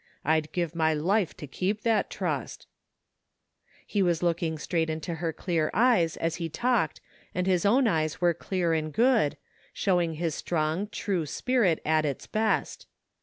I'd give my life to keep that trust ^" He was looking straight into her clear eyes as he talked and his own eyes were clear and good, showing his strong, true spirit at its best.